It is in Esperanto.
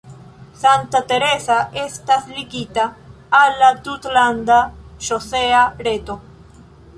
Santa Teresa estas ligita al la tutlanda ŝosea reto.